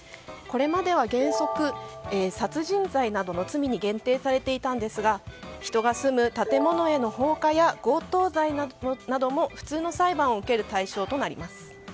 これまでは原則殺人罪などの罪に限定されていたんですが人が住む建物への放火や強盗罪なども普通の裁判を受ける対象となります。